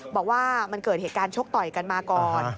บอกว่ามันเกิดเหตุการณ์ชกต่อยกันมาก่อน